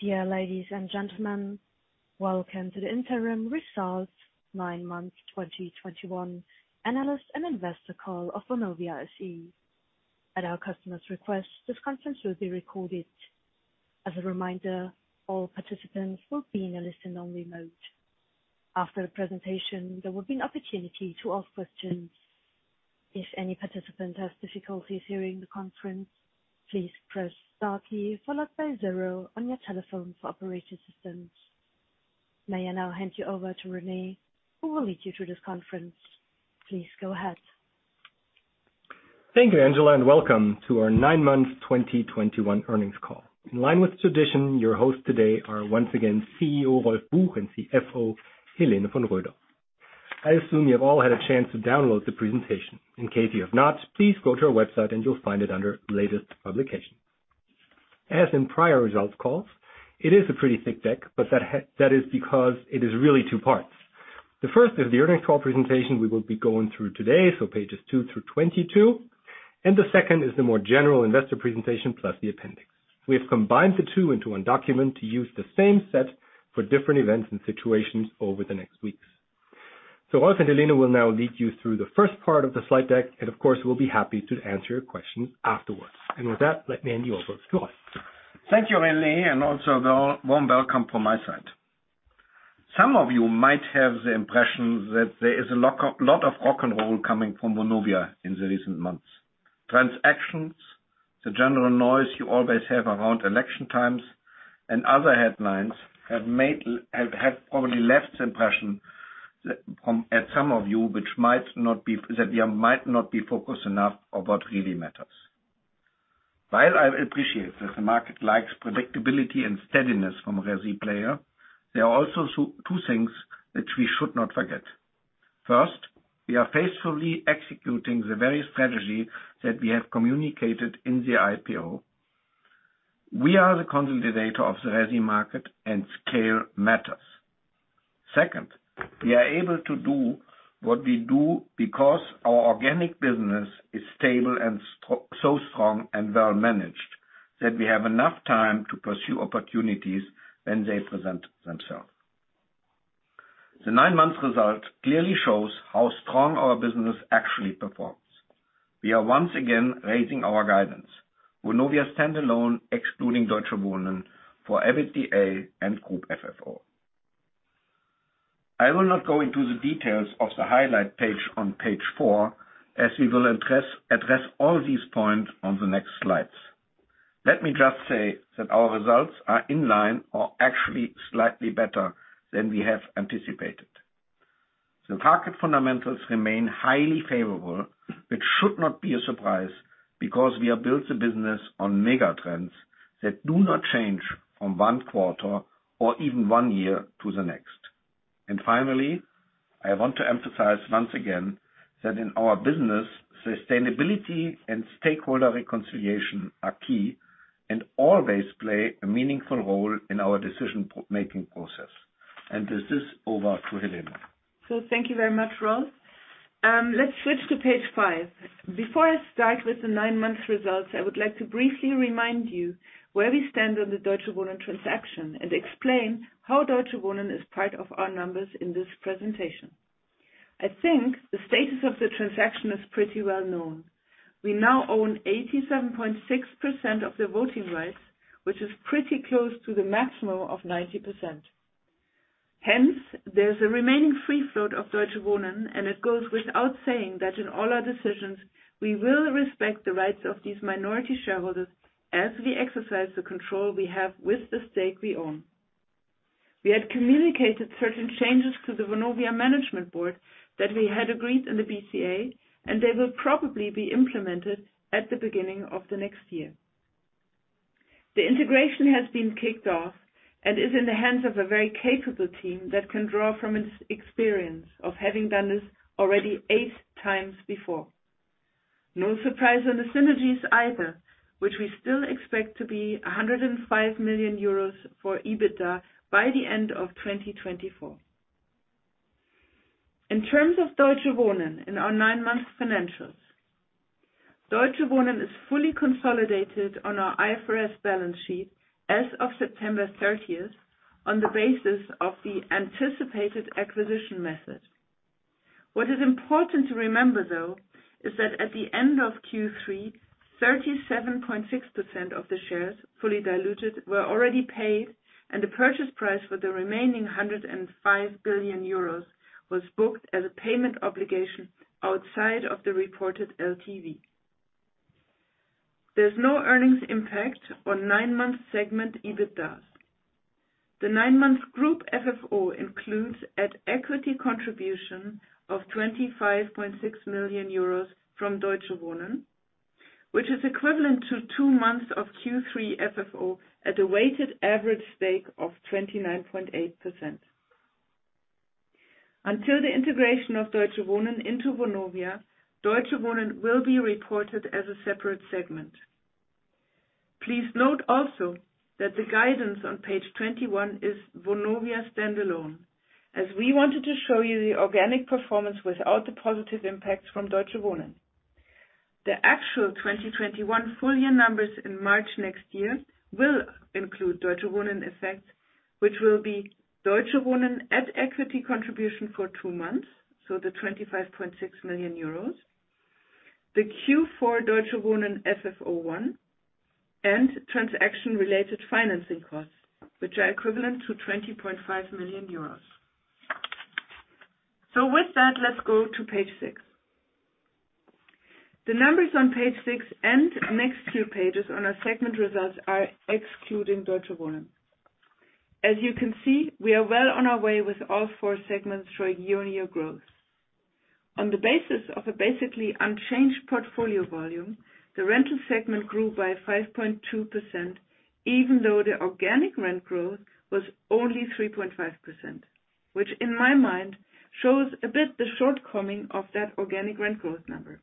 Dear ladies and gentlemen, welcome to the interim results 9 months 2021 analyst and investor call of Vonovia SE. At our customer's request, this conference will be recorded. As a reminder, all participants will be in a listen-only mode. After the presentation, there will be an opportunity to ask questions. If any participant has difficulties hearing the conference, please press star key followed by zero on your telephone for operator assistance. May I now hand you over to René, who will lead you through this conference. Please go ahead. Thank you, Angela, and welcome to our 9-month 2021 earnings call. In line with tradition, your hosts today are once again CEO Rolf Buch and CFO Helene von Roeder. I assume you have all had a chance to download the presentation. In case you have not, please go to our website and you'll find it under Latest Publication. As in prior results calls, it is a pretty thick deck, but that is because it is really two parts. The first is the earnings call presentation we will be going through today, so pages 2 through 22. The second is the more general investor presentation, plus the appendix. We have combined the two into one document to use the same set for different events and situations over the next weeks. Rolf and Helene will now lead you through the first part of the slide deck, and of course, we'll be happy to answer your questions afterwards. With that, let me hand you over to Rolf. Thank you, René, and also a warm welcome from my side. Some of you might have the impression that there is a lot of rock and roll coming from Vonovia in the recent months. Transactions, the general noise you always have around election times, and other headlines have probably left the impression that some of you might think that we might not be focused enough on what really matters. While I appreciate that the market likes predictability and steadiness from a resi player, there are also two things that we should not forget. First, we are faithfully executing the very strategy that we have communicated in the IPO. We are the consolidator of the resi market, and scale matters. Second, we are able to do what we do because our organic business is stable and so strong and well managed that we have enough time to pursue opportunities when they present themselves. The 9-month result clearly shows how strong our business actually performs. We are once again raising our guidance. Vonovia standalone excluding Deutsche Wohnen for EBITDA and group FFO. I will not go into the details of the highlight page on page four, as we will address all these points on the next slides. Let me just say that our results are in line or actually slightly better than we have anticipated. The market fundamentals remain highly favorable, which should not be a surprise because we have built the business on mega trends that do not change from one quarter or even 1 year to the next. Finally, I want to emphasize once again that in our business, sustainability and stakeholder reconciliation are key and always play a meaningful role in our decision-making process. With this, over to Helene von Roeder. Thank you very much, Rolf. Let's switch to page 5. Before I start with the 9-month results, I would like to briefly remind you where we stand on the Deutsche Wohnen transaction and explain how Deutsche Wohnen is part of our numbers in this presentation. I think the status of the transaction is pretty well known. We now own 87.6% of the voting rights, which is pretty close to the maximum of 90%. Hence, there's a remaining free float of Deutsche Wohnen, and it goes without saying that in all our decisions, we will respect the rights of these minority shareholders as we exercise the control we have with the stake we own. We had communicated certain changes to the Vonovia management board that we had agreed in the BCA, and they will probably be implemented at the beginning of the next year. The integration has been kicked off and is in the hands of a very capable team that can draw from its experience of having done this already 8x before. No surprise on the synergies either, which we still expect to be 105 million euros for EBITDA by the end of 2024. In terms of Deutsche Wohnen in our 9-month financials, Deutsche Wohnen is fully consolidated on our IFRS balance sheet as of September 30th on the basis of the anticipated acquisition method. What is important to remember, though, is that at the end of Q3, 37.6% of the shares, fully diluted, were already paid, and the purchase price for the remaining 105 billion euros was booked as a payment obligation outside of the reported LTV. There's no earnings impact on 9-month segment EBITDA. The 9-month group FFO includes at equity contribution of 25.6 million euros from Deutsche Wohnen, which is equivalent to 2 months of Q3 FFO at a weighted average stake of 29.8%. Until the integration of Deutsche Wohnen into Vonovia, Deutsche Wohnen will be reported as a separate segment. Please note also that the guidance on page 21 is Vonovia standalone. We wanted to show you the organic performance without the positive impacts from Deutsche Wohnen. The actual 2021 full year numbers in March next year will include Deutsche Wohnen effects, which will be Deutsche Wohnen at equity contribution for 2 months, so the 25.6 million euros. The Q4 Deutsche Wohnen FFO 1 and transaction-related financing costs, which are equivalent to 20.5 million euros. With that, let's go to page 6. The numbers on page 6 and next few pages on our segment results are excluding Deutsche Wohnen. As you can see, we are well on our way with all four segments showing year-on-year growth. On the basis of a basically unchanged portfolio volume, the rental segment grew by 5.2%, even though the organic rent growth was only 3.5%, which in my mind shows a bit the shortcoming of that organic rent growth number.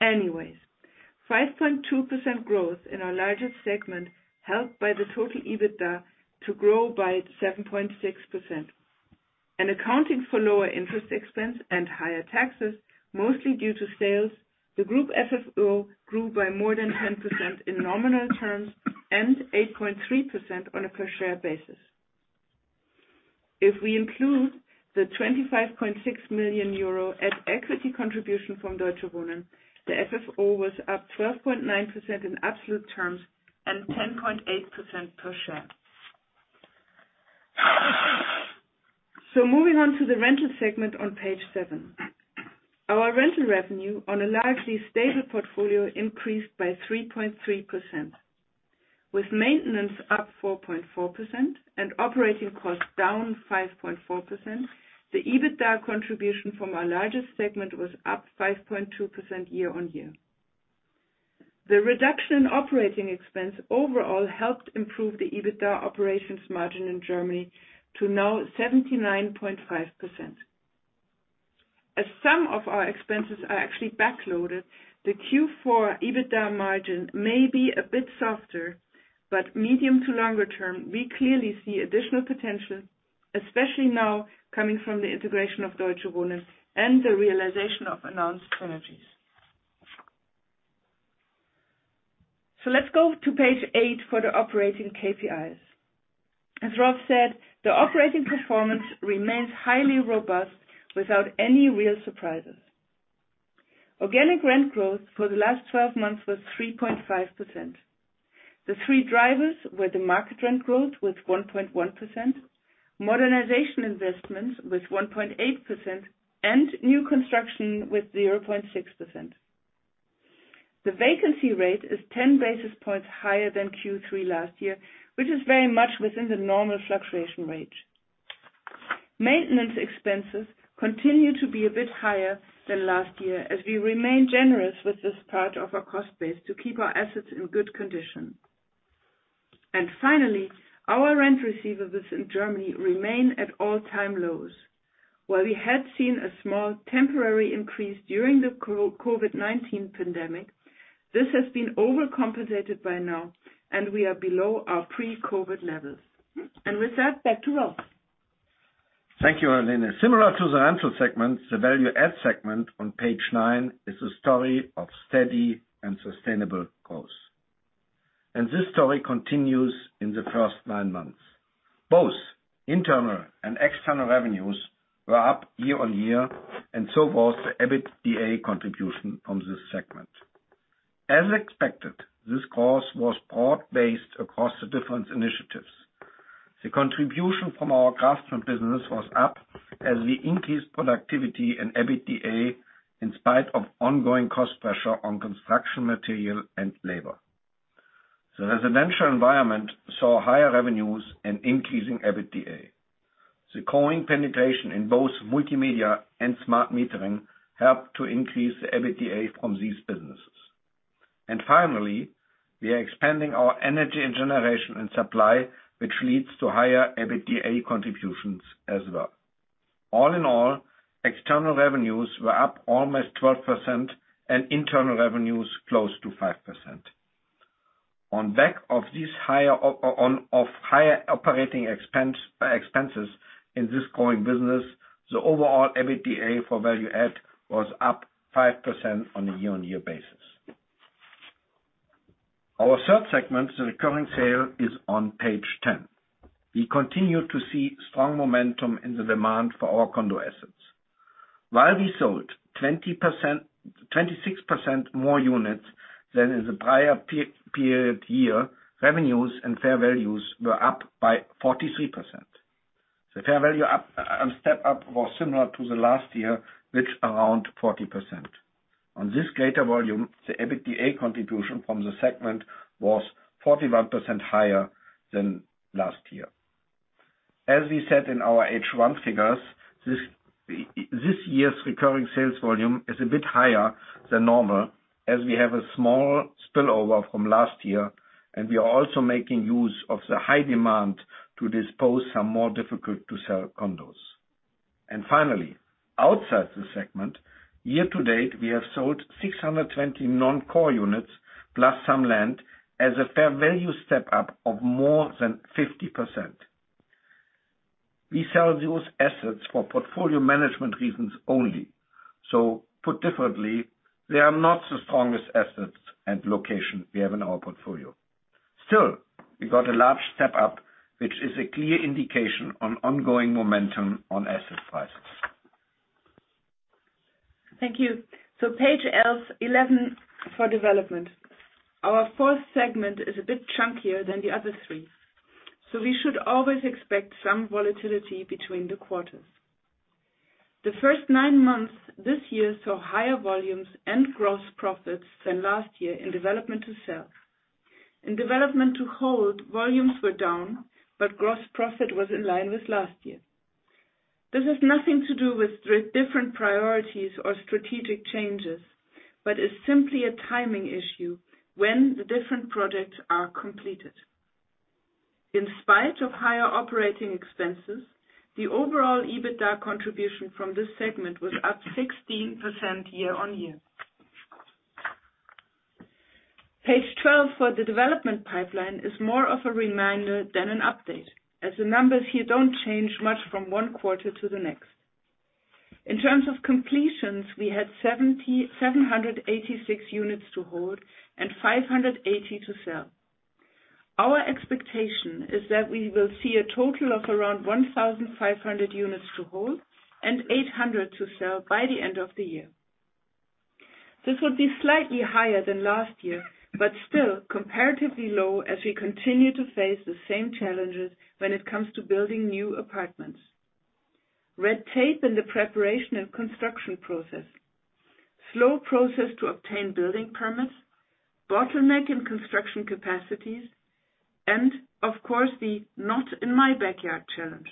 Anyways, 5.2% growth in our largest segment helped by the total EBITDA to grow by 7.6%. Accounting for lower interest expense and higher taxes, mostly due to sales, the group FFO grew by more than 10% in nominal terms and 8.3% on a per share basis. If we include the 25.6 million euro at equity contribution from Deutsche Wohnen, the FFO was up 12.9% in absolute terms and 10.8% per share. Moving on to the rental segment on page 7. Our rental revenue on a largely stable portfolio increased by 3.3%. With maintenance up 4.4% and operating costs down 5.4%, the EBITDA contribution from our largest segment was up 5.2% year-on-year. The reduction in operating expense overall helped improve the EBITDA operations margin in Germany to now 79.5%. As some of our expenses are actually backloaded, the Q4 EBITDA margin may be a bit softer, but medium to longer term, we clearly see additional potential, especially now coming from the integration of Deutsche Wohnen and the realization of announced synergies. Let's go to page 8 for the operating KPIs. As Rolf said, the operating performance remains highly robust without any real surprises. Organic rent growth for the last 12 months was 3.5%. The three drivers were the market rent growth with 1.1%, modernization investments with 1.8%, and new construction with 0.6%. The vacancy rate is 10 basis points higher than Q3 last year, which is very much within the normal fluctuation range. Maintenance expenses continue to be a bit higher than last year as we remain generous with this part of our cost base to keep our assets in good condition. Finally, our rent receivables in Germany remain at all-time lows. While we had seen a small temporary increase during the COVID-19 pandemic, this has been overcompensated by now, and we are below our pre-COVID levels. With that, back to Rolf. Thank you, Helene. Similar to the rental segment, the value add segment on page 9 is a story of steady and sustainable growth. This story continues in the first 9 months. Both internal and external revenues were up year-on-year, and so was the EBITDA contribution from this segment. As expected, this growth was broad-based across the different initiatives. The contribution from our custom business was up as we increased productivity and EBITDA in spite of ongoing cost pressure on construction material and labor. The residential environment saw higher revenues and increasing EBITDA. The growing penetration in both multimedia and smart metering helped to increase the EBITDA from these businesses. Finally, we are expanding our energy generation and supply, which leads to higher EBITDA contributions as well. All in all, external revenues were up almost 12% and internal revenues close to 5%. On back of this higher of higher operating expenses in this growing business, the overall EBITDA for value add was up 5% on a year-on-year basis. Our third segment, the recurring sale, is on page 10. We continue to see strong momentum in the demand for our condo assets. While we sold 26% more units than in the prior period year, revenues and fair values were up by 43%. The fair value up step up was similar to the last year, which around 40%. On this greater volume, the EBITDA contribution from the segment was 41% higher than last year. As we said in our H1 figures, this year's recurring sales volume is a bit higher than normal as we have a small spillover from last year, and we are also making use of the high demand to dispose some more difficult to sell condos. Finally, outside the segment, year to date, we have sold 620 non-core units, plus some land as a fair value step up of more than 50%. We sell those assets for portfolio management reasons only. Put differently, they are not the strongest assets and location we have in our portfolio. Still, we got a large step up, which is a clear indication of ongoing momentum on asset prices. Thank you. Page 11 for development. Our fourth segment is a bit chunkier than the other three, so we should always expect some volatility between the quarters. The first 9 months this year saw higher volumes and gross profits than last year in development to sell. In development to hold, volumes were down, but gross profit was in line with last year. This has nothing to do with different priorities or strategic changes, but is simply a timing issue when the different projects are completed. In spite of higher operating expenses, the overall EBITDA contribution from this segment was up 16% year-over-year. Page 12 for the development pipeline is more of a reminder than an update, as the numbers here don't change much from one quarter to the next. In terms of completions, we had 7,786 units to hold and 580 to sell. Our expectation is that we will see a total of around 1,500 units to hold and 800 to sell by the end of the year. This will be slightly higher than last year, but still comparatively low as we continue to face the same challenges when it comes to building new apartments. Red tape in the preparation and construction process, slow process to obtain building permits, bottleneck in construction capacities, and of course, the not in my backyard challenge.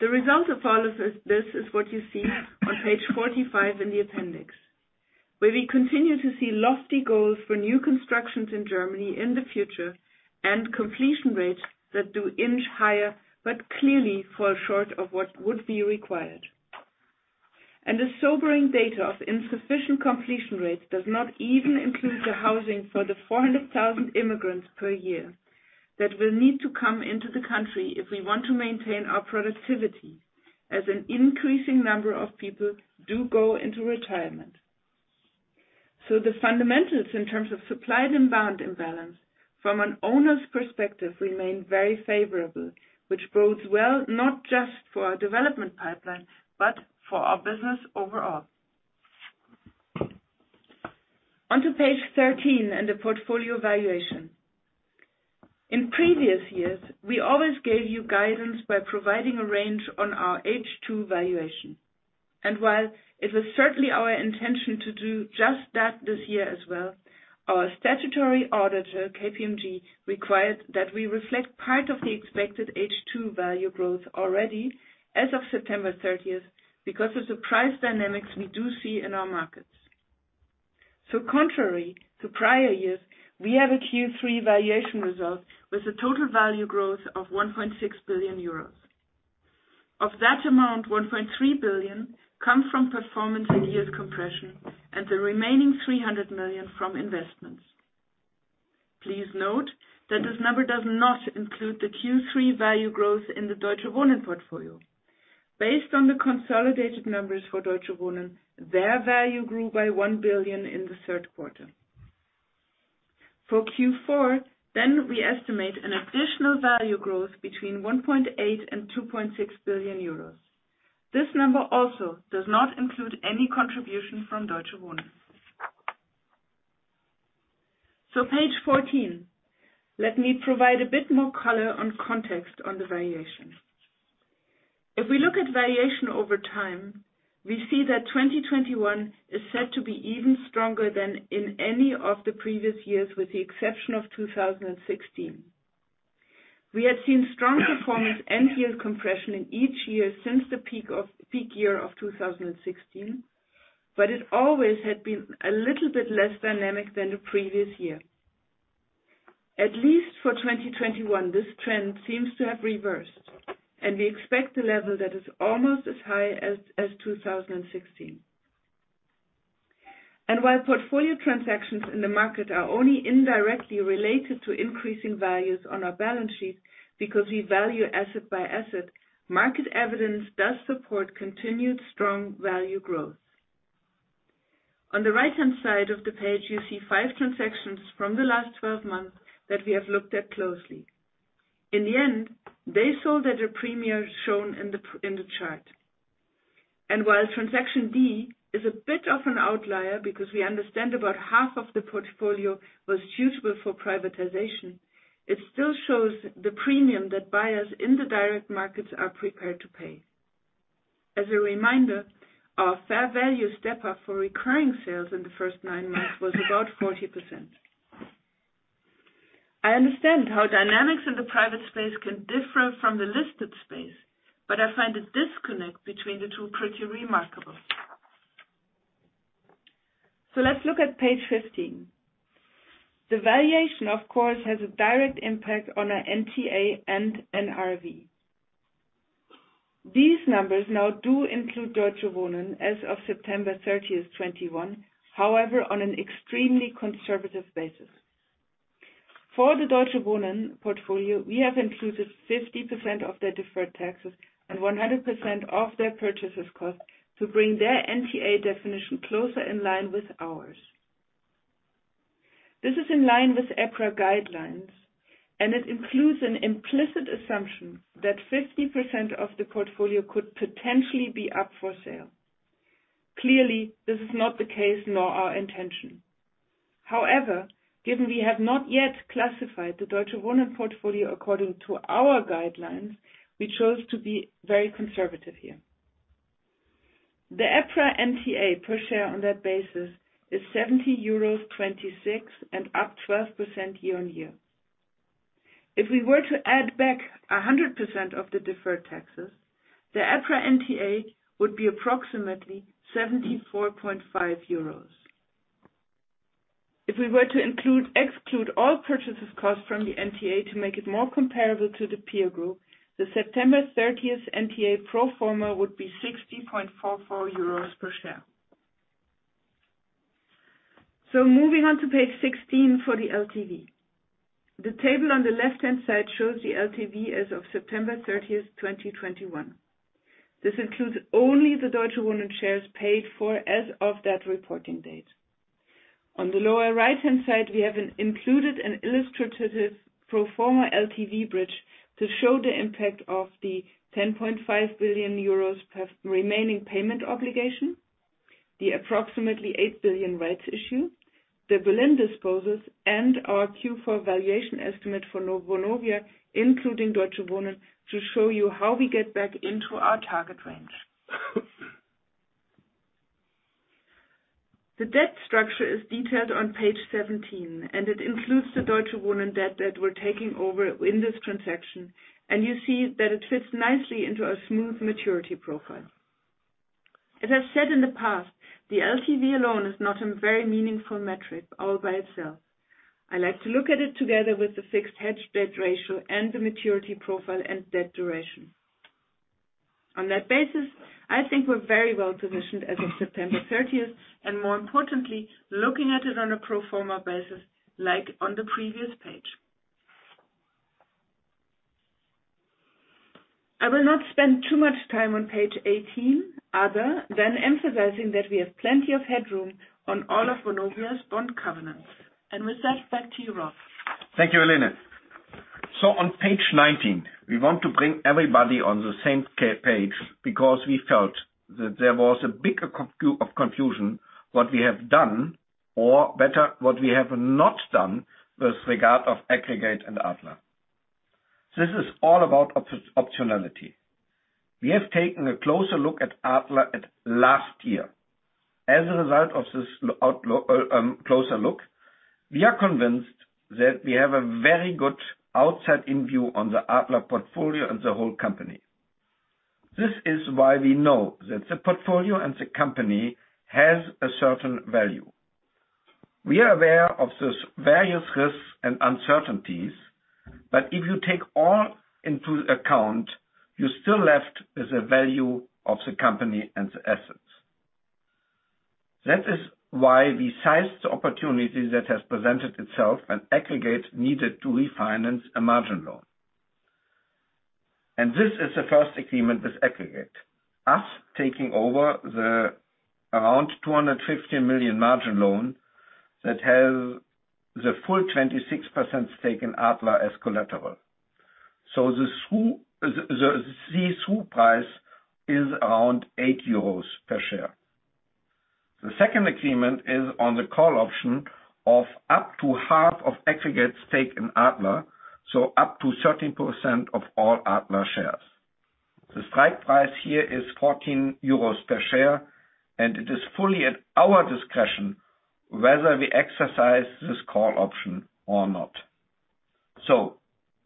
The result of all of this is what you see on page 45 in the appendix, where we continue to see lofty goals for new constructions in Germany in the future and completion rates that do inch higher, but clearly fall short of what would be required. The sobering data of insufficient completion rates does not even include the housing for the 400,000 immigrants per year that will need to come into the country if we want to maintain our productivity as an increasing number of people do go into retirement. The fundamentals in terms of supply and demand imbalance from an owner's perspective remain very favorable, which bodes well not just for our development pipeline, but for our business overall. On to page 13 and the portfolio valuation. In previous years, we always gave you guidance by providing a range on our H2 valuation. While it was certainly our intention to do just that this year as well, our statutory auditor, KPMG, required that we reflect part of the expected H2 value growth already as of September 30th because of the price dynamics we do see in our markets. Contrary to prior years, we have a Q3 valuation result with a total value growth of 1.6 billion euros. Of that amount, 1.3 billion come from performance and yield compression, and the remaining 300 million from investments. Please note that this number does not include the Q3 value growth in the Deutsche Wohnen portfolio. Based on the consolidated numbers for Deutsche Wohnen, their value grew by 1 billion in the third quarter. For Q4 then, we estimate an additional value growth between 1.8 billion and 2.6 billion euros. This number also does not include any contribution from Deutsche Wohnen. Page 14. Let me provide a bit more color and context on the valuation. If we look at valuation over time, we see that 2021 is set to be even stronger than in any of the previous years, with the exception of 2016. We had seen strong performance and yield compression in each year since the peak year of 2016, but it always had been a little bit less dynamic than the previous year. At least for 2021, this trend seems to have reversed and we expect a level that is almost as high as 2016. While portfolio transactions in the market are only indirectly related to increasing values on our balance sheet because we value asset by asset, market evidence does support continued strong value growth. On the right-hand side of the page, you see five transactions from the last 12 months that we have looked at closely. In the end, there's a premium shown in the chart. While transaction D is a bit of an outlier because we understand about half of the portfolio was suitable for privatization, it still shows the premium that buyers in the direct markets are prepared to pay. As a reminder, our fair value step up for recurring sales in the first 9 months was about 40%. I understand how dynamics in the private space can differ from the listed space, but I find a disconnect between the two pretty remarkable. Let's look at page 15. The valuation, of course, has a direct impact on our NTA and NRV. These numbers now do include Deutsche Wohnen as of September 30th, 2021. However, on an extremely conservative basis for the Deutsche Wohnen portfolio, we have included 50% of their deferred taxes and 100% of their purchase cost to bring their NTA definition closer in line with ours. This is in line with EPRA guidelines, and it includes an implicit assumption that 50% of the portfolio could potentially be up for sale. Clearly, this is not the case, nor our intention. However, given we have not yet classified the Deutsche Wohnen portfolio according to our guidelines, we chose to be very conservative here. The EPRA NTA per share on that basis is 70.26 euros and up 12% year-on-year. If we were to add back 100% of the deferred taxes, the EPRA NTA would be approximately 74.5 euros. If we were to exclude all purchase costs from the NTA to make it more comparable to the peer group, the September 30th NTA pro forma would be 60.44 euros per share. Moving on to page 16 for the LTV. The table on the left-hand side shows the LTV as of September 30th, 2021. This includes only the Deutsche Wohnen shares paid for as of that reporting date. On the lower right-hand side, we have an included and illustrative pro forma LTV bridge to show the impact of the 10.5 billion euros for remaining payment obligation, the approximately 8 billion rights issue, the Berlin disposals, and our Q4 valuation estimate for new Vonovia, including Deutsche Wohnen, to show you how we get back into our target range. The debt structure is detailed on page 17, and it includes the Deutsche Wohnen debt that we're taking over in this transaction, and you see that it fits nicely into our smooth maturity profile. As I said in the past, the LTV alone is not a very meaningful metric all by itself. I like to look at it together with the fixed hedge debt ratio and the maturity profile and debt duration. On that basis, I think we're very well positioned as of September 30th, and more importantly, looking at it on a pro forma basis, like on the previous page. I will not spend too much time on page 18 other than emphasizing that we have plenty of headroom on all of Vonovia's bond covenants. With that, back to you, Rolf. Thank you, Helene. On page 19, we want to bring everybody on the same page because we felt that there was a bit of confusion what we have done, or better, what we have not done with regard to Aggregate and Adler. This is all about optionality. We have taken a closer look at Adler in last year. As a result of this closer look, we are convinced that we have a very good outside-in view on the Adler portfolio and the whole company. This is why we know that the portfolio and the company has a certain value. We are aware of the various risks and uncertainties, but if you take all into account, you're still left with the value of the company and the assets. That is why we seized the opportunity that has presented itself and Aggregate needed to refinance a margin loan. This is the first agreement with Aggregate. Us taking over the around 250 million margin loan that has the full 26% stake in Adler as collateral. The swoop price is around 8 euros per share. The second agreement is on the call option of up to half of Aggregate's stake in Adler, so up to 13% of all Adler shares. The strike price here is 14 euros per share, and it is fully at our discretion whether we exercise this call option or not.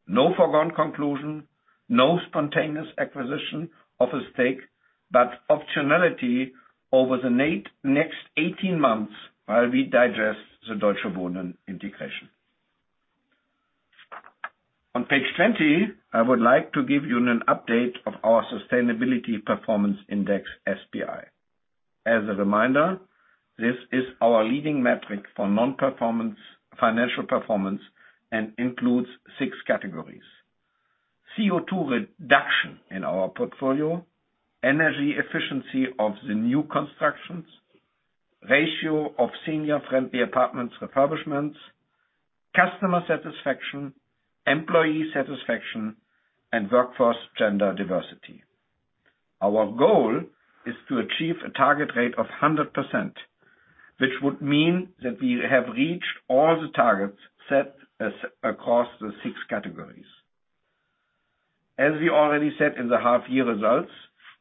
No foregone conclusion, no spontaneous acquisition of a stake, but optionality over the next 18 months while we digest the Deutsche Wohnen integration. On page 20, I would like to give you an update of our Sustainability Performance Index, SPI. As a reminder, this is our leading metric for non-financial performance, and includes six categories: CO2 reduction in our portfolio, energy efficiency of the new constructions, ratio of senior friendly apartments refurbishments, customer satisfaction, employee satisfaction, and workforce gender diversity. Our goal is to achieve a target rate of 100%, which would mean that we have reached all the targets set as across the six categories. As we already said in the half year results,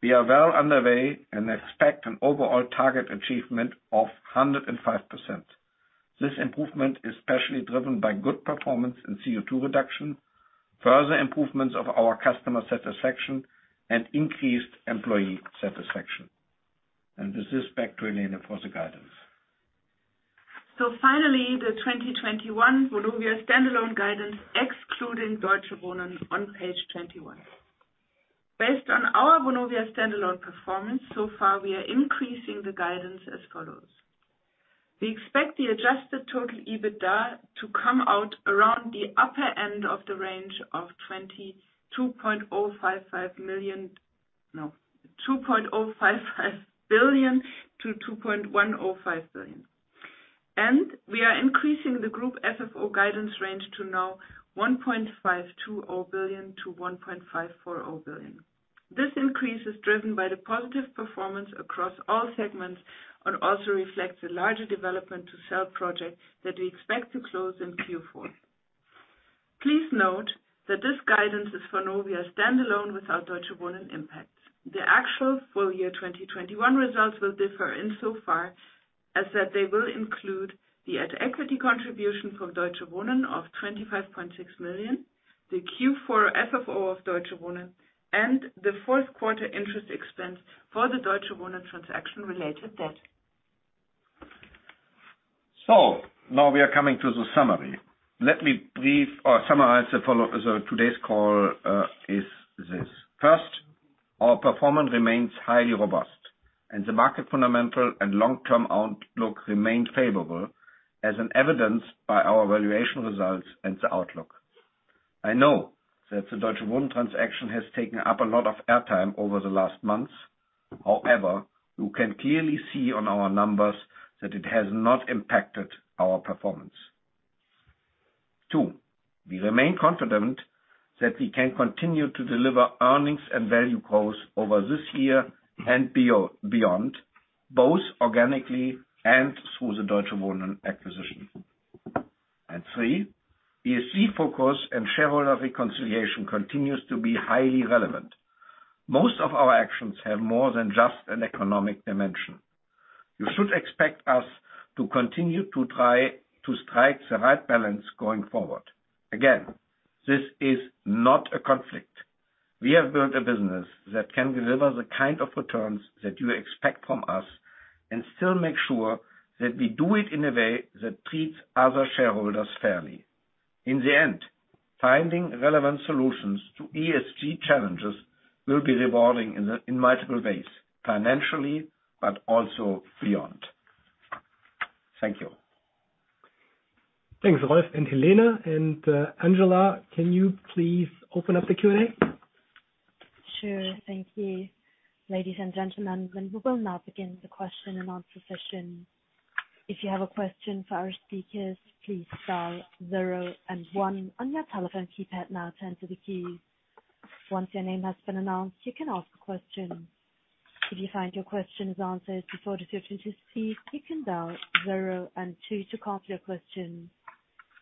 we are well underway and expect an overall target achievement of 105%. This improvement is especially driven by good performance in CO2 reduction, further improvements of our customer satisfaction and increased employee satisfaction. This is back to Helene for the guidance. Finally, the 2021 Vonovia standalone guidance excluding Deutsche Wohnen on page 21. Based on our Vonovia standalone performance so far we are increasing the guidance as follows: We expect the adjusted total EBITDA to come out around the upper end of the range of 2.055 billion-2.105 billion. We are increasing the group FFO guidance range to now 1.520 billion-1.540 billion. This increase is driven by the positive performance across all segments, and also reflects the larger development to sell projects that we expect to close in Q4. Please note that this guidance is for Vonovia standalone without Deutsche Wohnen impact. The actual full year 2021 results will differ insofar as that they will include the at equity contribution from Deutsche Wohnen of 25.6 million, the Q4 FFO of Deutsche Wohnen, and the fourth quarter interest expense for the Deutsche Wohnen transaction related debt. Now we are coming to the summary. Let me brief or summarize. Today's call is this. First, our performance remains highly robust, and the market fundamentals and long-term outlook remain favorable as evidenced by our valuation results and the outlook. I know that the Deutsche Wohnen transaction has taken up a lot of airtime over the last months. However, you can clearly see on our numbers that it has not impacted our performance. Two, we remain confident that we can continue to deliver earnings and value growth over this year and beyond, both organically and through the Deutsche Wohnen acquisition. Three, ESG focus and shareholder relations continues to be highly relevant. Most of our actions have more than just an economic dimension. You should expect us to continue to try to strike the right balance going forward. Again, this is not a conflict. We have built a business that can deliver the kind of returns that you expect from us, and still make sure that we do it in a way that treats other shareholders fairly. In the end, finding relevant solutions to ESG challenges will be rewarding in multiple ways, financially, but also beyond. Thank you. Thanks, Rolf and Helene. Angela, can you please open up the Q&A? Sure. Thank you. Ladies and gentlemen, we will now begin the question and answer session. If you have a question for our speakers, please dial zero and one on your telephone keypad now to enter the queue. Once your name has been announced, you can ask a question. If you find your question is answered before the opportunity to speak, you can dial zero and two to cancel your question.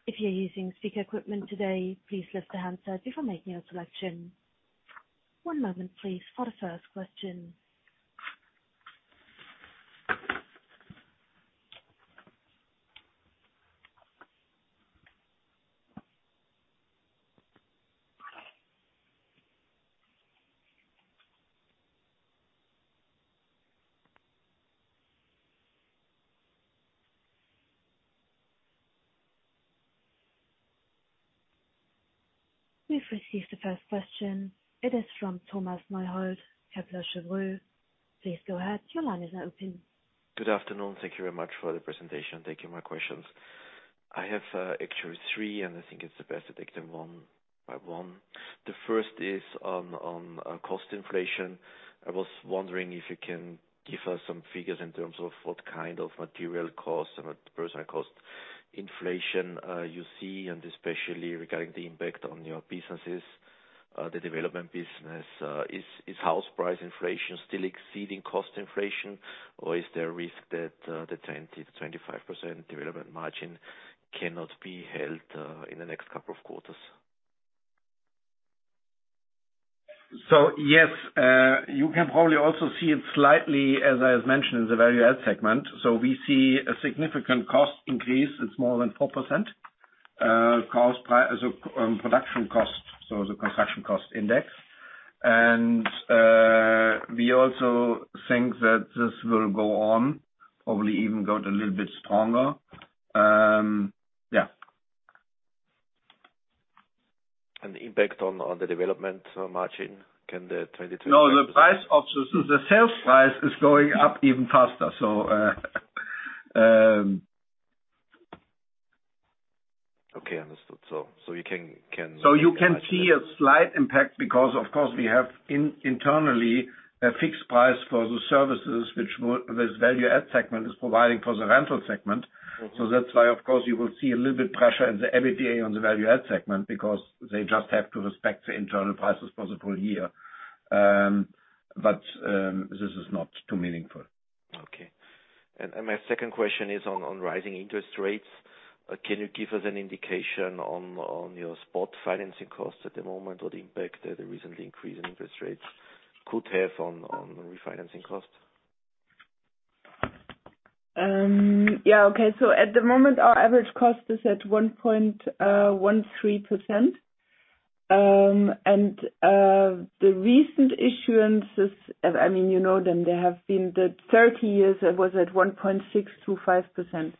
If you're using speaker equipment today, please lift the handset before making your selection. One moment please for the first question. We've received the first question. It is from Thomas Neuhold, Kepler Cheuvreux. Please go ahead. Your line is open. Good afternoon. Thank you very much for the presentation. Thank you. My questions. I have actually three, and I think it's the best to take them one by one. The first is on cost inflation. I was wondering if you can give us some figures in terms of what kind of material costs and what personnel cost inflation you see, and especially regarding the impact on your businesses, the development business. Is house price inflation still exceeding cost inflation? Or is there a risk that the 20%-25% development margin cannot be held in the next couple of quarters? Yes. You can probably also see it slightly, as I have mentioned in the value add segment. We see a significant cost increase. It's more than 4%, production cost, so the construction cost index. We also think that this will go on, probably even go a little bit stronger. The impact on the development margin. Can the 20 to. No, the sales price is going up even faster. Okay, understood. You can. You can see a slight impact because of course we have internally a fixed price for the services which this value add segment is providing for the rental segment, so that's why of course you will see a little bit pressure in the EBITDA on the value add segment, because they just have to respect the internal prices for the full year. This is not too meaningful. Okay. My second question is on rising interest rates. Can you give us an indication on your spot financing costs at the moment or the impact that the recent increase in interest rates could have on refinancing costs? Yeah. Okay. At the moment, our average cost is at 1.13%. The recent issuance is, I mean, you know, the 30-year, it was at 1.625%.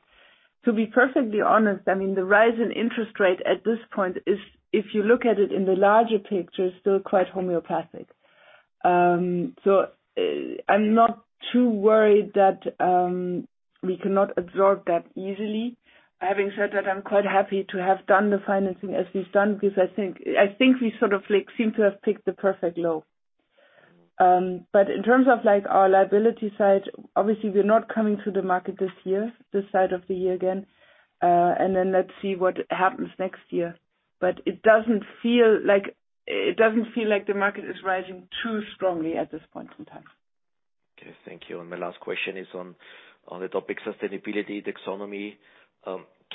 To be perfectly honest, I mean, the rise in interest rate at this point is, if you look at it in the larger picture, still quite homeopathic. I'm not too worried. We can absorb that easily. Having said that, I'm quite happy to have done the financing as we've done because I think we sort of, like, seem to have picked the perfect low. In terms of, like, our liability side, obviously we're not coming to the market this year, this side of the year again, and then let's see what happens next year. It doesn't feel like the market is rising too strongly at this point in time. Okay. Thank you. My last question is on the topic sustainability taxonomy.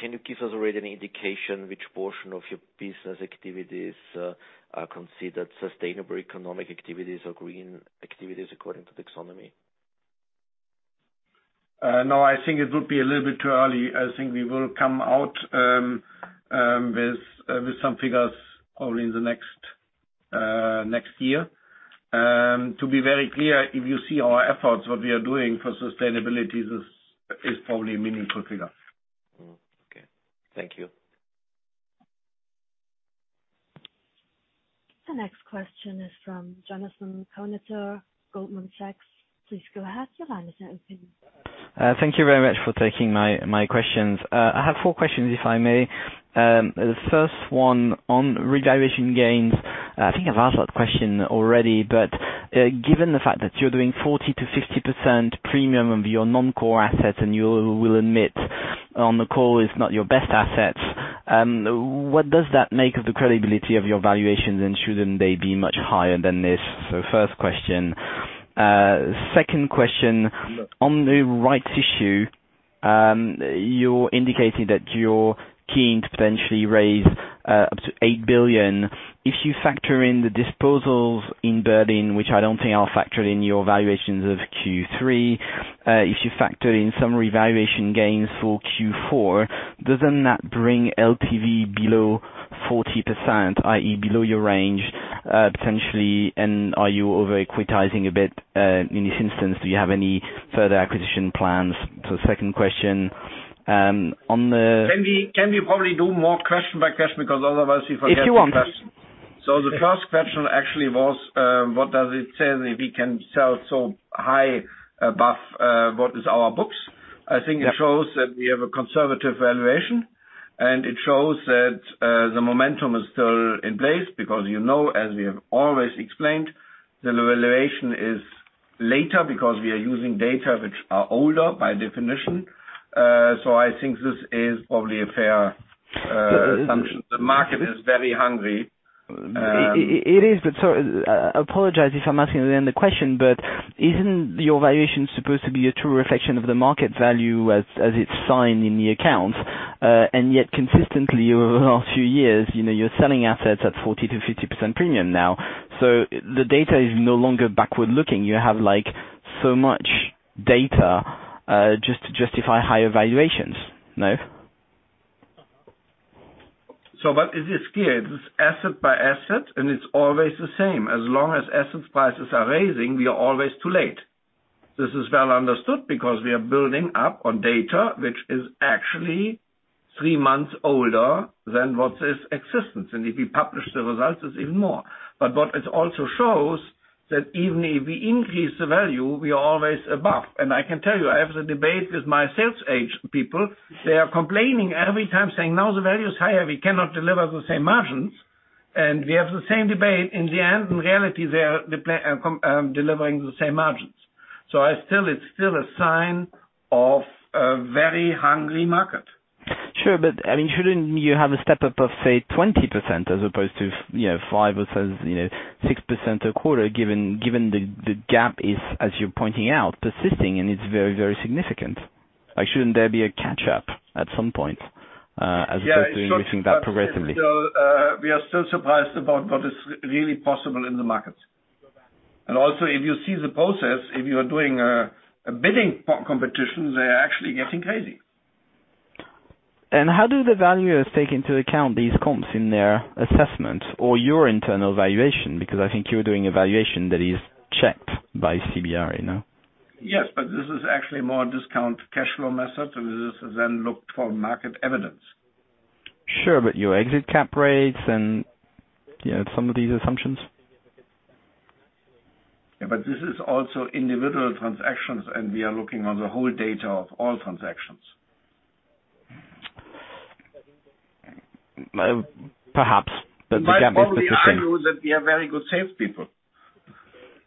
Can you give us already an indication which portion of your business activities are considered sustainable economic activities or green activities according to taxonomy? No, I think it would be a little bit too early. I think we will come out with some figures probably in the next year. To be very clear, if you see our efforts, what we are doing for sustainability is probably a meaningful figure. Okay. Thank you. The next question is from Jonathan Kownator, Goldman Sachs. Please go ahead. Your line is open. Thank you very much for taking my questions. I have four questions, if I may. The first one on revaluation gains. I think I've asked that question already. Given the fact that you're doing 40%-50% premium of your non-core assets, and you will admit on the call it's not your best assets, what does that make of the credibility of your valuations and shouldn't they be much higher than this? First question. Second question, on the rights issue, you indicated that you're keen to potentially raise up to 8 billion. If you factor in the disposals in Berlin, which I don't think are factored in your valuations of Q3. If you factor in some revaluation gains for Q4, doesn't that bring LTV below 40%, i.e., below your range, potentially? Are you over-equitizing a bit in this instance? Do you have any further acquisition plans? Second question on the. Can we probably do more question by question? Because otherwise we forget. If you want. The first question actually was, what does it say that we can sell so high above what is our books? Yeah. I think it shows that we have a conservative valuation, and it shows that the momentum is still in place because, you know, as we have always explained, the valuation is later because we are using data which are older by definition. So I think this is probably a fair assumption. The market is very hungry. It is, but I apologize if I'm asking the question, but isn't your valuation supposed to be a true reflection of the market value as it's stated in the accounts? Yet consistently over the last few years, you know, you're selling assets at 40%-50% premium now. The data is no longer backward-looking. You have, like, so much data just to justify higher valuations. No? It is clear, this is asset by asset, and it's always the same. As long as asset prices are rising, we are always too late. This is well understood because we are building up on data which is actually 3 months older than what is existent. If we publish the results, it's even more. What it also shows that even if we increase the value, we are always above. I can tell you, I have the debate with my sales agent people. They are complaining every time, saying, "Now the value is higher, we cannot deliver the same margins." We have the same debate. In the end, in reality, they are delivering the same margins. I still, it's still a sign of a very hungry market. Sure. I mean, shouldn't you have a step-up of, say, 20% as opposed to, you know, 5% or, you know, 6% a quarter given the gap is, as you're pointing out, persisting and it's very, very significant. Like, shouldn't there be a catch up at some point as opposed to increasing that progressively? We are still surprised about what is really possible in the markets. Also if you see the process, if you are doing a bidding competition, they are actually getting crazy. How do the valuers take into account these comps in their assessment or your internal valuation? Because I think you're doing a valuation that is checked by CBRE. Yes. This is actually more discounted cash flow method. This is then looked for market evidence. Sure. Your exit cap rates and, you know, some of these assumptions. Yeah. This is also individual transactions, and we are looking at the whole data of all transactions. Perhaps, but the gap is. You might probably argue that we have very good salespeople.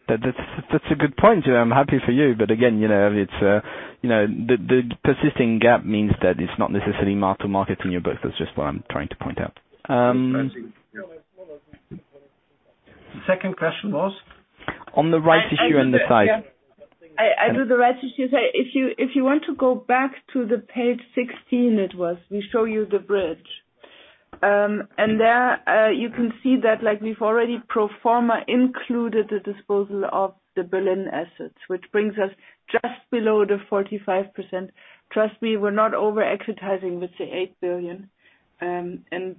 That's a good point. I'm happy for you. Again, you know, it's you know, the persisting gap means that it's not necessarily mark to market in your book. That's just what I'm trying to point out. Second question was? On the rights issue and the size. I do the rights issue. If you want to go back to the page 16, it was. We show you the bridge. There, you can see that like we've already pro forma included the disposal of the Berlin assets, which brings us just below the 45%. Trust me, we're not over-exerting with the 8 billion. Hence,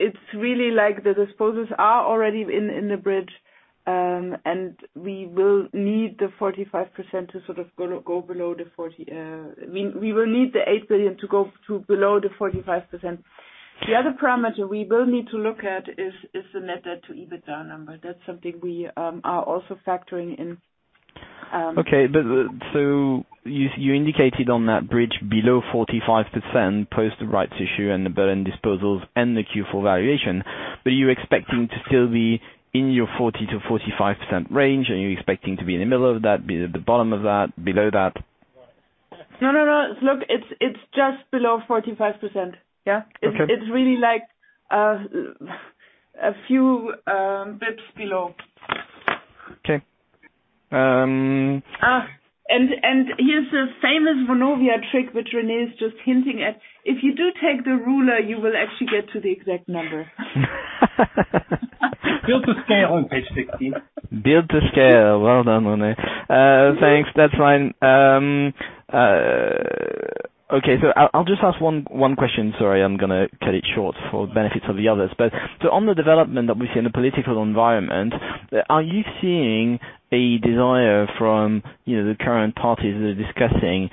it's really like the disposals are already in the bridge, and we will need the 45% to sort of go below the 40%. We will need the 8 billion to go through below the 45%. The other parameter we will need to look at is the net debt to EBITDA number. That's something we are also factoring in. Okay. You indicated on that bridge below 45% post the rights issue and the Berlin disposals and the Q4 valuation, but you're expecting to still be in your 40%-45% range. Are you expecting to be in the middle of that, be at the bottom of that, below that? No. Look, it's just below 45%. Yeah. Okay. It's really like a few pips below. Okay. Here's the famous Vonovia trick which René is just hinting at. If you do take the ruler, you will actually get to the exact number. Built to scale on page 16. Built to scale. Well done, René. Thanks. That's fine. Okay. I'll just ask one question. Sorry, I'm gonna cut it short for benefits of the others. On the development that we see in the political environment, are you seeing a desire from, you know, the current parties that are discussing,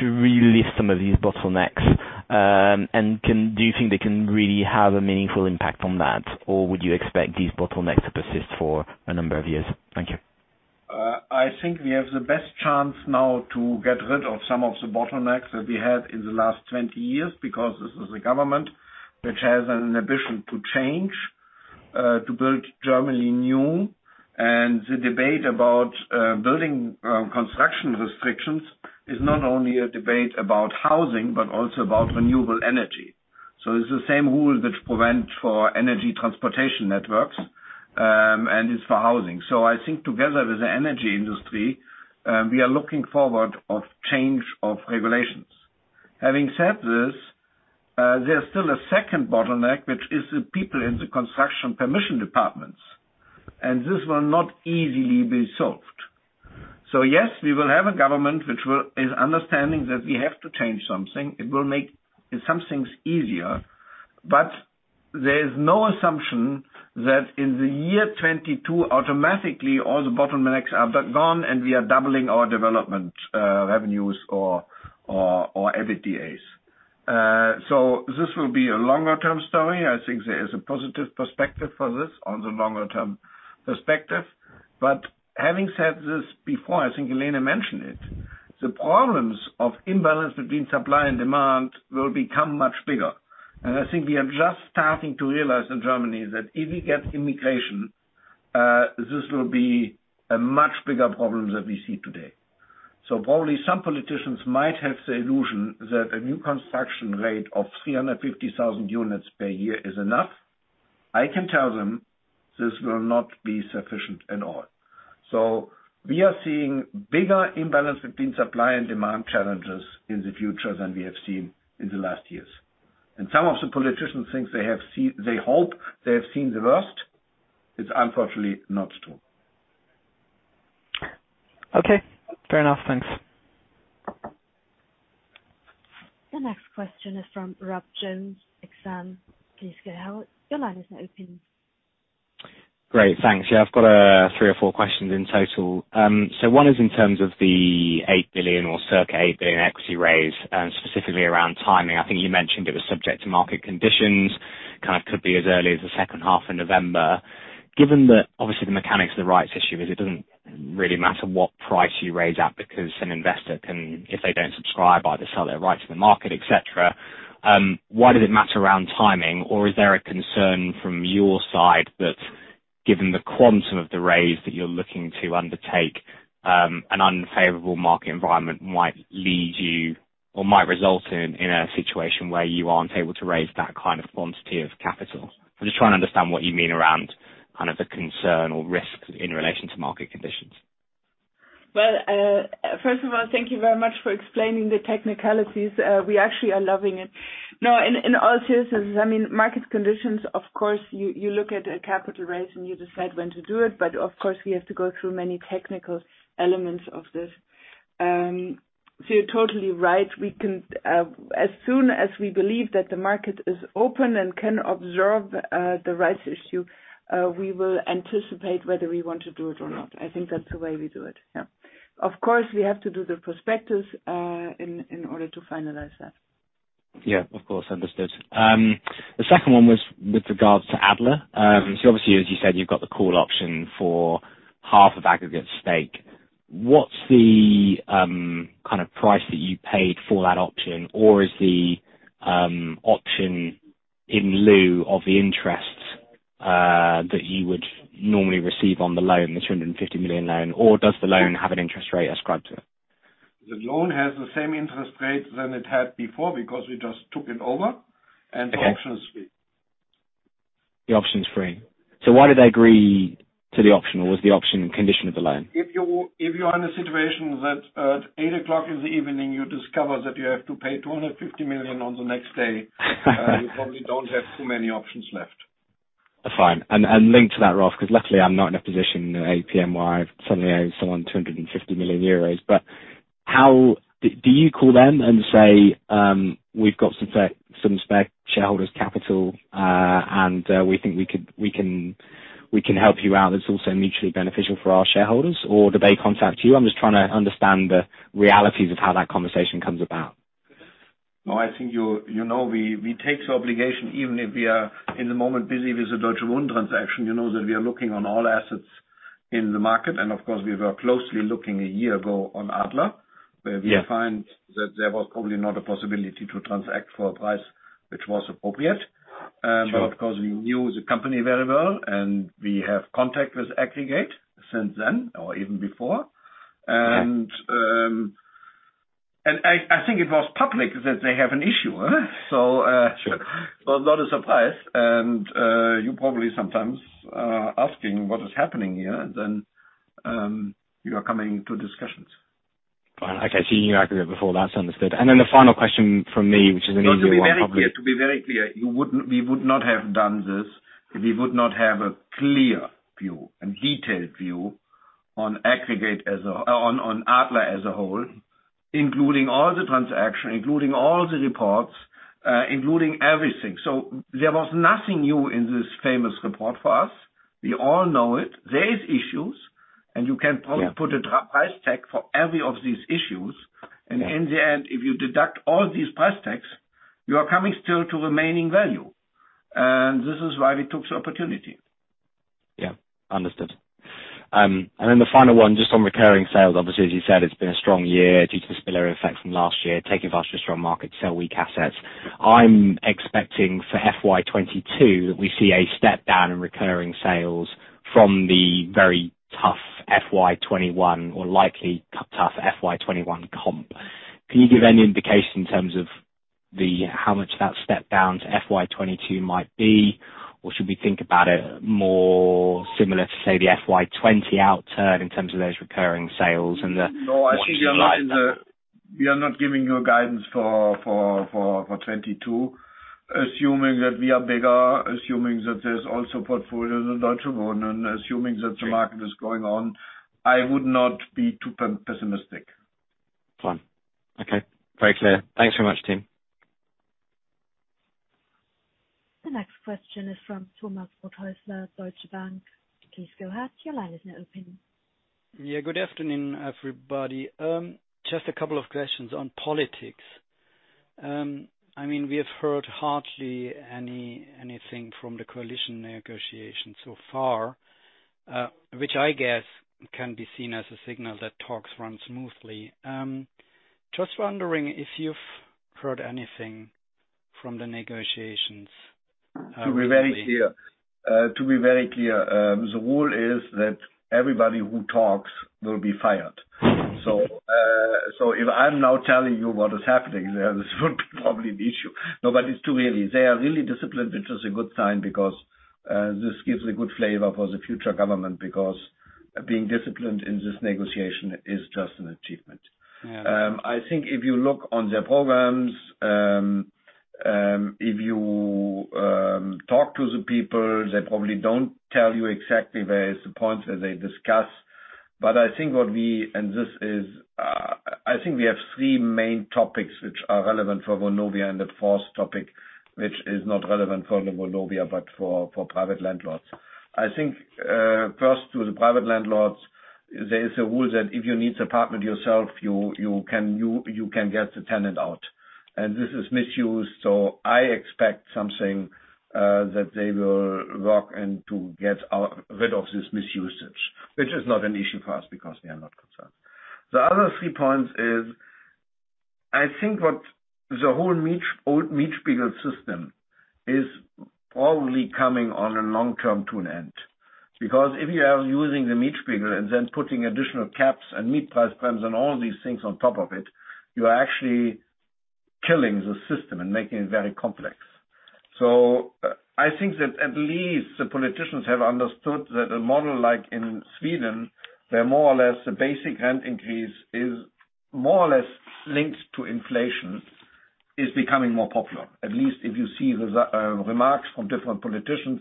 to relieve some of these bottlenecks, and do you think they can really have a meaningful impact on that? Or would you expect these bottlenecks to persist for a number of years? Thank you. I think we have the best chance now to get rid of some of the bottlenecks that we had in the last 20 years, because this is a government which has an ambition to change to build Germany new. The debate about building construction restrictions is not only a debate about housing, but also about renewable energy. It's the same rules that prevent for energy transportation networks and is for housing. I think together with the energy industry we are looking forward of change of regulations. Having said this, there's still a second bottleneck, which is the people in the construction permission departments, and this will not easily be solved. Yes, we will have a government which is understanding that we have to change something. It will make some things easier, but there is no assumption that in the year 2022, automatically all the bottlenecks are gone and we are doubling our development revenues or EBITDA. This will be a longer term story. I think there is a positive perspective for this on the longer term perspective. Having said this, before, I think Helene mentioned it, the problems of imbalance between supply and demand will become much bigger. I think we are just starting to realize in Germany that if we get immigration, this will be a much bigger problem than we see today. Probably some politicians might have the illusion that a new construction rate of 350,000 units per year is enough. I can tell them this will not be sufficient at all. We are seeing bigger imbalance between supply and demand challenges in the future than we have seen in the last years. Some of the politicians think they hope they have seen the worst. It's unfortunately not true. Okay, fair enough. Thanks. The next question is from Rob Jones, Exane. Please go ahead. Your line is now open. Great. Thanks. Yeah, I've got three or four questions in total. So one is in terms of the 8 billion or circa 8 billion equity raise, and specifically around timing. I think you mentioned it was subject to market conditions, kind of could be as early as the second half of November. Given that obviously the mechanics of the rights issue is it doesn't really matter what price you raise at because an investor can, if they don't subscribe, either sell their rights to the market, et cetera, why does it matter around timing? Or is there a concern from your side that given the quantum of the raise that you're looking to undertake, an unfavorable market environment might lead you or might result in a situation where you aren't able to raise that kind of quantity of capital? I'm just trying to understand what you mean around kind of the concern or risks in relation to market conditions. Well, first of all, thank you very much for explaining the technicalities. We actually are loving it. No, in all seriousness, I mean, market conditions, of course, you look at a capital raise and you decide when to do it, but of course we have to go through many technical elements of this. So you're totally right. We can, as soon as we believe that the market is open and can observe the rights issue, we will anticipate whether we want to do it or not. I think that's the way we do it. Yeah. Of course, we have to do the prospectus, in order to finalize that. Yeah, of course. Understood. The second one was with regards to Adler. Obviously, as you said, you've got the call option for half of Aggregate stake. What's the kind of price that you paid for that option? Or is the option in lieu of the interest that you would normally receive on the loan, the 250 million loan? Or does the loan have an interest rate ascribed to it? The loan has the same interest rate as it had before because we just took it over. Okay. The option is free. The option is free. Why did they agree to the option? Was the option a condition of the loan? If you are in a situation that at 8:00 P.M. you discover that you have to pay 250 million on the next day, you probably don't have too many options left. Fine. Linked to that, Rolf, 'cause luckily I'm not in a position at APM where I've suddenly owe someone 250 million euros. How do you call them and say, we've got some spec shareholders capital, and we think we can help you out, it's also mutually beneficial for our shareholders? Or do they contact you? I'm just trying to understand the realities of how that conversation comes about. No, I think you know, we take the obligation, even if we are in the moment busy with the Deutsche Wohnen transaction, you know that we are looking on all assets in the market. Of course, we were closely looking a year ago on Adler. Yeah. Where we find that there was probably not a possibility to transact for a price which was appropriate. Sure. Of course we knew the company very well and we have contact with Aggregate since then or even before. Okay. I think it was public that they have an issue, huh? Sure. Not a surprise. You probably sometimes asking what is happening here, then you are coming to discussions. Fine. Okay. You knew Aggregate before. That's understood. Then the final question from me, which is an easy one, probably. No, to be very clear, we would not have done this if we would not have a clear view and detailed view on Aggregate, on Adler as a whole, including all the transaction, including all the reports, including everything. There was nothing new in this famous report for us. We all know it. There is issues, and you can probably put a price tag on every one of these issues. Yeah. In the end, if you deduct all these price tags, you are coming still to remaining value. This is why we took the opportunity. Yeah. Understood. The final one, just on recurring sales. Obviously, as you said, it's been a strong year due to the spillover effect from last year, taking faster, strong market, sell weak assets. I'm expecting for FY 2022 that we see a step down in recurring sales from the very tough FY 2021 or likely tough FY 2021 comp. Can you give any indication in terms of how much that step down to FY 2022 might be? Or should we think about it more similar to, say, the FY 2021 outturn in terms of those recurring sales and the No, I think we are not. What it looks like? We are not giving you a guidance for 2022. Assuming that we are bigger, assuming that there's also portfolios in Deutsche Wohnen, assuming that Sure. The market is going on. I would not be too pessimistic. Fine. Okay. Very clear. Thanks very much, team. The next question is from Thomas Rothaeusler, Deutsche Bank. Please go ahead. Your line is now open. Yeah. Good afternoon, everybody. Just a couple of questions on politics. I mean, we have heard hardly anything from the coalition negotiation so far, which I guess can be seen as a signal that talks run smoothly. Just wondering if you've heard anything from the negotiations lately? To be very clear, the rule is that everybody who talks will be fired. If I'm now telling you what is happening there, this would be probably the issue. It's too early. They are really disciplined, which is a good sign because this gives a good flavor for the future government, because being disciplined in this negotiation is just an achievement. Yeah. I think if you look on their programs, if you talk to the people, they probably don't tell you exactly where the point is that they discuss. I think we have three main topics which are relevant for Vonovia, and the fourth topic, which is not relevant for the Vonovia, but for private landlords. I think first to the private landlords, there is a rule that if you need to partner yourself, you can get the tenant out. This is misused. I expect something that they will work to get rid of this misuse. Which is not an issue for us because we are not concerned. The other three points is, I think what the whole old Mietspiegel system is probably coming in the long term to an end. Because if you are using the Mietspiegel and then putting additional caps and Mietpreisbremse and all these things on top of it, you are actually killing the system and making it very complex. I think that at least the politicians have understood that a model like in Sweden, where more or less the basic rent increase is more or less linked to inflation, is becoming more popular. At least if you see the remarks from different politicians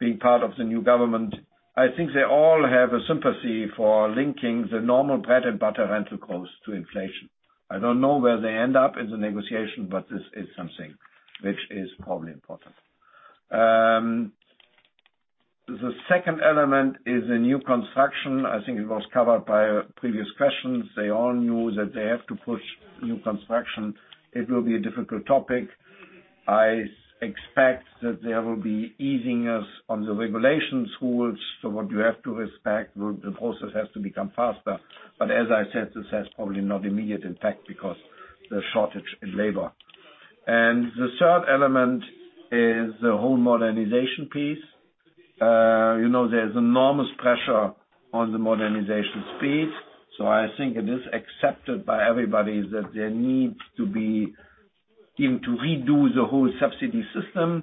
being part of the new government, I think they all have a sympathy for linking the normal bread and butter rental cost to inflation. I don't know where they end up in the negotiation, but this is something which is probably important. The second element is the new construction. I think it was covered by a previous question. They all knew that they have to push new construction. It will be a difficult topic. I expect that there will be emphasis on the regulatory rules. What you have to aspect, the process has to become faster. But as I said, this has probably not immediate impact because the shortage in labor. The third element is the whole modernization piece. You know, there's enormous pressure on the modernization space. I think it is accepted by everybody that there needs to be time to redo the whole subsidy system,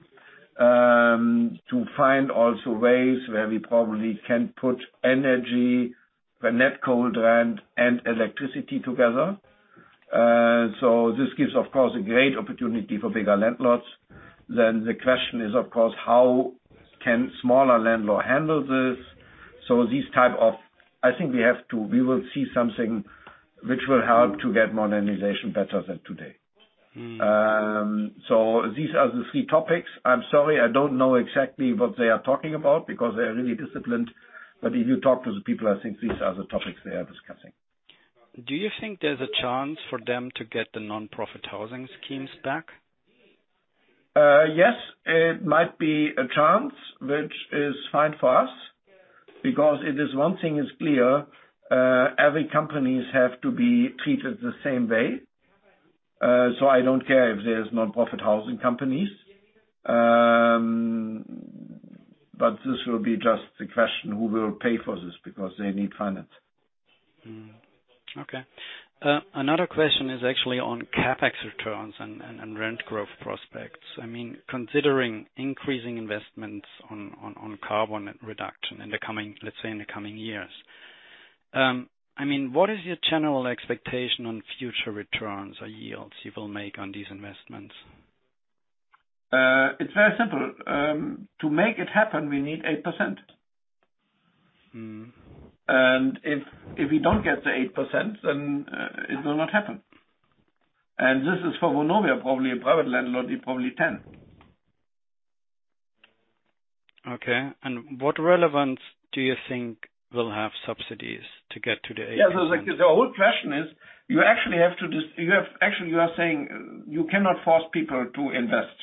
to find also ways where we probably can put energy, the net cold rent and electricity together. This gives, of course, a great opportunity for bigger landlords. The question is, of course, how can smaller landlord handle this? These type of I think we will see something which will help to get modernization better than today. Mm. These are the three topics. I'm sorry, I don't know exactly what they are talking about because they are really disciplined. If you talk to the people, I think these are the topics they are discussing. Do you think there's a chance for them to get the nonprofit housing schemes back? Yes. It might be a chance, which is fine for us, because it is one thing is clear, every companies have to be treated the same way. I don't care if there's nonprofit housing companies. This will be just the question, who will pay for this? Because they need finance. Okay. Another question is actually on CapEx returns and rent growth prospects. I mean, considering increasing investments on carbon reduction in the coming, let's say, years. I mean, what is your general expectation on future returns or yields you will make on these investments? It's very simple. To make it happen, we need 8%. Mm. If we don't get the 8%, then it will not happen. This is for Vonovia. Probably a private landlord need probably 10%. Okay. What relevance do you think subsidies will have to get to the 8%? Yeah. The whole question is, you are saying you cannot force people to invest.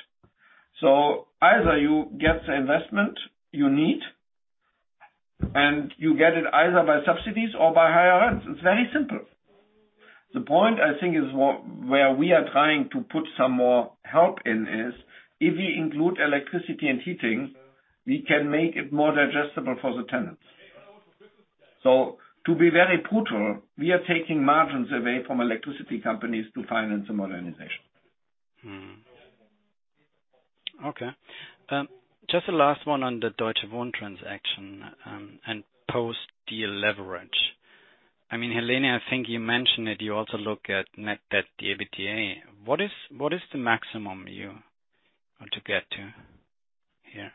Either you get the investment you need, and you get it either by subsidies or by higher rents. It's very simple. The point, I think, is where we are trying to put some more help in is, if you include electricity and heating, we can make it more digestible for the tenants. To be very brutal, we are taking margins away from electricity companies to finance the modernization. Okay. Just the last one on the Deutsche Wohnen transaction, and post-deal leverage. I mean, Helene, I think you mentioned that you also look at net debt to EBITDA. What is the maximum you want to get to here?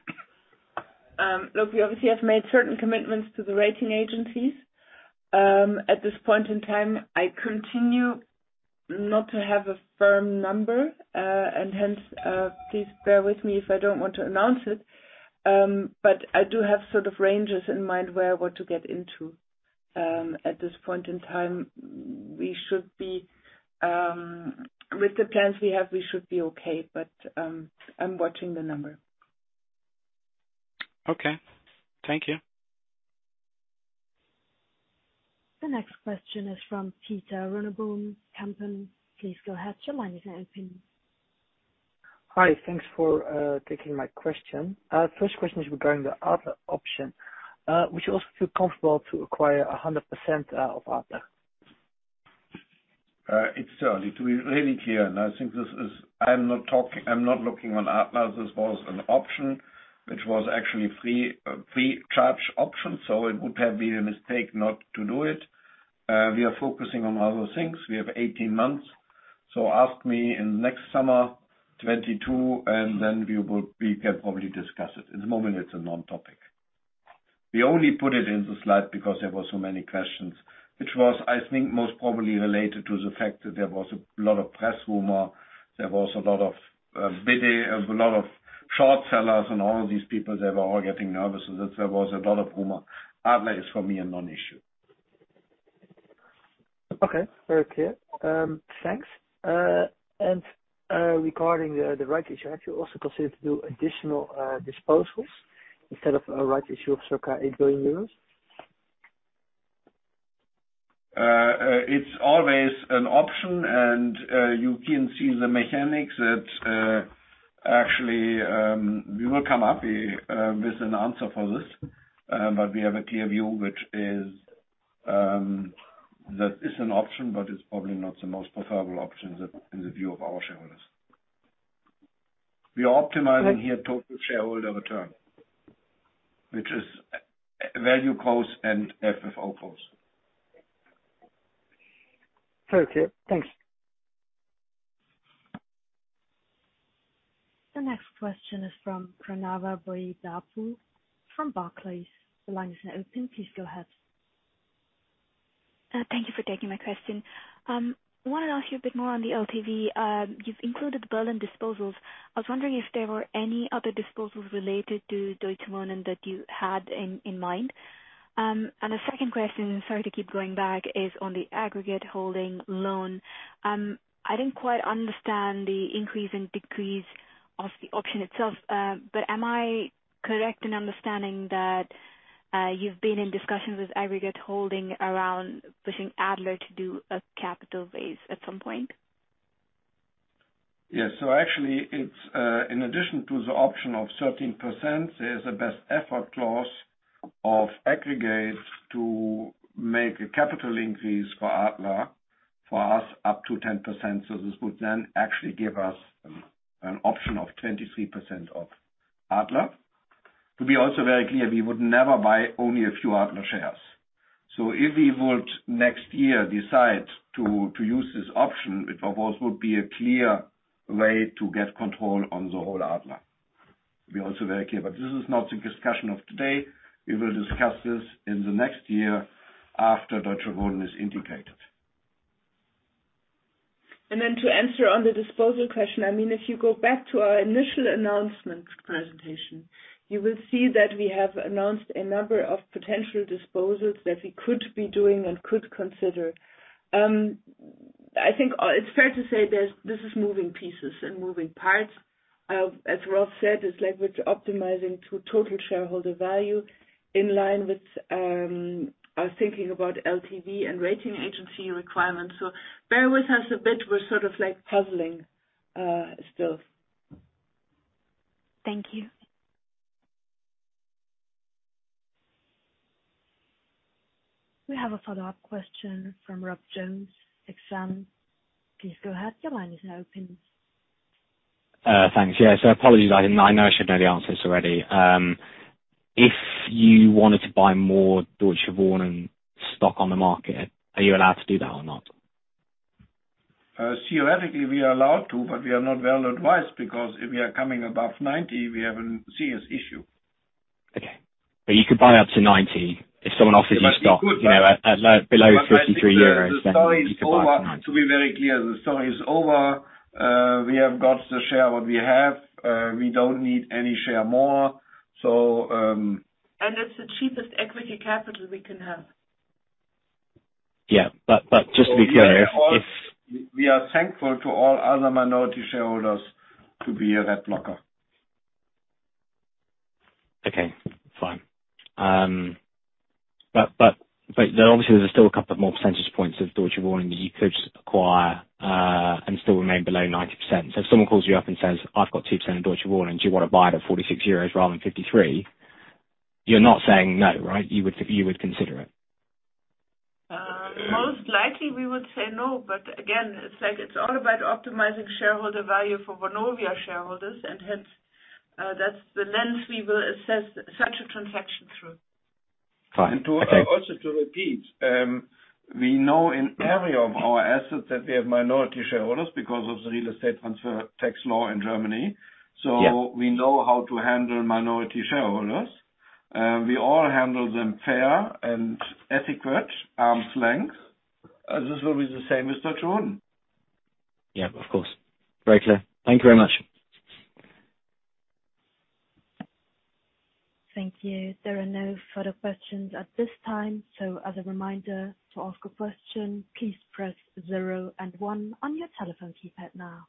Look, we obviously have made certain commitments to the rating agencies. At this point in time, I continue not to have a firm number, and hence, please bear with me if I don't want to announce it. I do have sort of ranges in mind where I want to get into. At this point in time, we should be with the plans we have, we should be okay. I'm watching the number. Okay. Thank you. The next question is from Pieter Runneboom, Kempen. Please go ahead, your line is open. Hi. Thanks for taking my question. First question is regarding the Adler option. Would you also feel comfortable to acquire 100% of Adler? It's early to be really clear, and I think this is. I'm not looking on Adler. This was an option which was actually free, a free charge option, so it would have been a mistake not to do it. We are focusing on other things. We have 18 months. Ask me in next summer, 2022, and then we can probably discuss it. At the moment, it's a non-topic. We only put it in the slide because there were so many questions, which was, I think, most probably related to the fact that there was a lot of press rumor. There was a lot of bidding, a lot of short sellers and all of these people, they were all getting nervous. That there was a lot of rumor. Adler is for me, a non-issue. Okay. Very clear. Thanks. Regarding the rights issue, have you also considered to do additional disposals instead of a rights issue of circa 8 billion euros? It's always an option and you can see the mechanics that actually we will come up with an answer for this. We have a clear view, which is that it's an option, but it's probably not the most preferable option in the view of our shareholders. We are optimizing here total shareholder return, which is value growth and FFO growth. Very clear. Thanks. The next question is from Pranava Boyidapu from Barclays. The line is now open. Please go ahead. Thank you for taking my question. I wanted to ask you a bit more on the LTV. You've included Berlin disposals. I was wondering if there were any other disposals related to Deutsche Wohnen that you had in mind. A second question, sorry to keep going back, is on the Aggregate Holdings loan. I didn't quite understand the increase and decrease of the option itself, but am I correct in understanding that you've been in discussions with Aggregate Holdings around pushing Adler to do a capital raise at some point? Yes. Actually it's in addition to the option of 13%, there's a best effort clause of Aggregate to make a capital increase for Adler for us up to 10%. This would then actually give us an option of 23% of Adler. To be also very clear, we would never buy only a few Adler shares. If we would next year decide to use this option, it of course would be a clear way to get control on the whole Adler. Be also very clear. This is not the discussion of today. We will discuss this in the next year after Deutsche Wohnen is integrated. Then to answer on the disposal question, I mean, if you go back to our initial announcement presentation, you will see that we have announced a number of potential disposals that we could be doing and could consider. I think it's fair to say this is moving pieces and moving parts. As Rolf Buch said, it's like we're optimizing to total shareholder value in line with us thinking about LTV and rating agency requirements. Bear with us a bit. We're sort of like puzzling still. Thank you. We have a follow-up question from Rob Jones, Exane. Please go ahead. Your line is now open. Thanks. Yeah. Apologies. I know I should know the answers already. If you wanted to buy more Deutsche Wohnen stock on the market, are you allowed to do that or not? Theoretically we are allowed to, but we are not well advised because if we are coming above 90, we have a serious issue. Okay. You could buy up to 90 if someone offers you stock, you know, at like below 53 euros, then you could buy. To be very clear, the story is over. We have got the shares that we have. We don't need any more shares. It's the cheapest equity capital we can have. Yeah. Just to be clear, if. We are thankful to all other minority shareholders to be a rat blocker. Okay, fine. But obviously there's still a couple of more percentage points of Deutsche Wohnen that you could acquire, and still remain below 90%. If someone calls you up and says, "I've got 2% of Deutsche Wohnen, do you wanna buy it at 46 euros rather than 53?" You're not saying no, right? You would consider it. Most likely we would say no, but again, it's like it's all about optimizing shareholder value for Vonovia shareholders and hence, that's the lens we will assess such a transaction through. Fine. Okay. To repeat, we know in every one of our assets that we have minority shareholders because of the real estate transfer tax law in Germany. Yeah. We know how to handle minority shareholders. We all handle them fairly and adequately, at arm's length. This will be the same as Deutsche Wohnen. Yeah, of course. Very clear. Thank you very much. Thank you. There are no further questions at this time. As a reminder, to ask a question, please press zero and one on your telephone keypad now.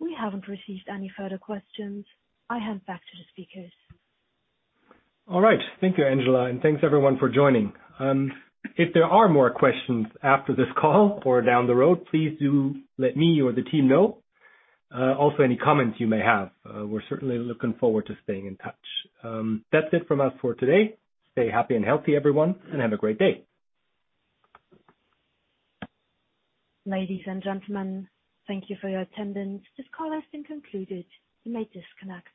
We haven't received any further questions. I hand back to the speakers. All right. Thank you, Angela, and thanks everyone for joining. If there are more questions after this call or down the road, please do let me or the team know. Also any comments you may have. We're certainly looking forward to staying in touch. That's it from us for today. Stay happy and healthy, everyone, and have a great day. Ladies and gentlemen, thank you for your attendance. This call has been concluded. You may disconnect.